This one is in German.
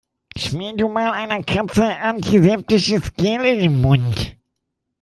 Schmier du mal einer Katze antiseptisches Gel in den Mund.